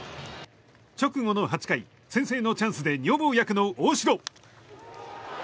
直後の８回、先制のチャンスで女房役の大城。